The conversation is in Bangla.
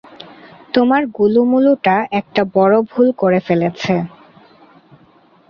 তোমার গুলুমুলুটা একটা বড় ভুল করে ফেলেছে!